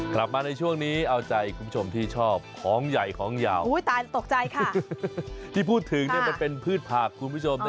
กลับมาในช่วงนี้เอาใจคุณผู้ชมที่ชอบของใหญ่ของยาวตกใจค่ะที่พูดถึงมันเป็นพืชผักคุณผู้ชม